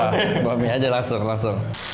makan aja langsung